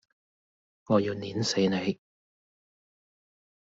我要摙死你!